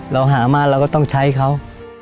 เราหามาเราก็ต้องใช้เขา